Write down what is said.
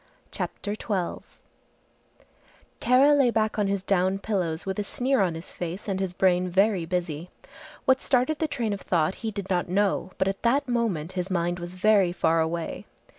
CHAPTER XII Kara lay back on his down pillows with a sneer on his face and his brain very busy. What started the train of thought he did not know, but at that moment his mind was very far away.